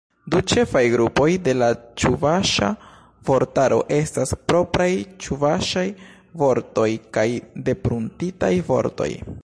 Du ĉefaj grupoj de la ĉuvaŝa vortaro estas: propraj ĉuvaŝaj vortoj kaj depruntitaj vortoj.